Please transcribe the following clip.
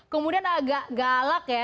kemudian agak galak ya